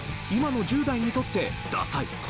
今の１０代にとってダサい？